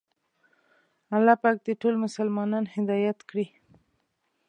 الله پاک دې ټول مسلمانان هدایت کړي.